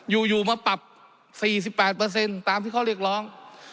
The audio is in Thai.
อยู่มาปรับ๔๘ตามที่เขาเรียกร้อง